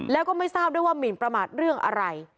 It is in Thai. แล้วก็ไม่ทราบด้วยว่าหมินประมาทเรื่องอะไร